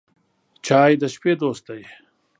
چای د شپې دوست دی.